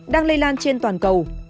đang lây lan trên toàn cầu